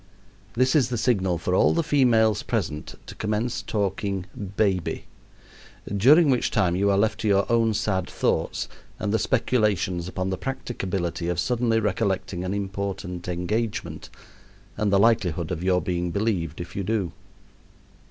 This is the signal for all the females present to commence talking "baby," during which time you are left to your own sad thoughts and the speculations upon the practicability of suddenly recollecting an important engagement, and the likelihood of your being believed if you do.